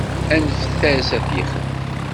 Anef-as ad t-yexdem.